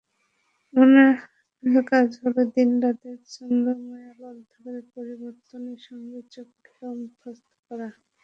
মেলানোপসিনের কাজ হলো, দিন-রাতের ছন্দময় আলো-অন্ধকারের পরিবর্তনের সঙ্গে চোখকে অভ্যস্ত করা।